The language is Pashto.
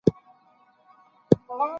هغه د خپلو کالیو په پاک ساتلو بوخت دی.